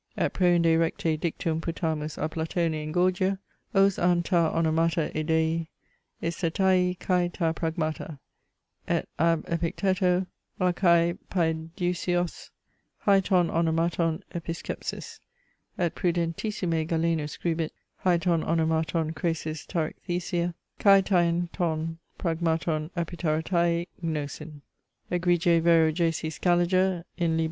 ] Et proinde recte dictum putamus a Platone in Gorgia: os an ta onomata eidei, eisetai kai ta pragmata: et ab Epicteto, archae paideuseos hae ton onomaton episkepsis: et prudentissime Galenus scribit, hae ton onomaton chraesis tarachtheisa kai taen ton pragmaton epitarattei gnosin. Egregie vero J. C. Scaliger, in Lib.